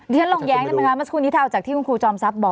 ดิฉันลงแย้งนะครับมาสักครู่นี้ถ้าออกจากที่คุณครูจอมทรัพย์บอก